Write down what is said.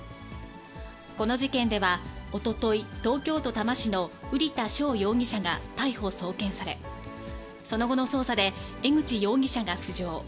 この事件では、おととい、東京都多摩市の瓜田翔容疑者が逮捕・送検され、その後の捜査で江口容疑者が浮上。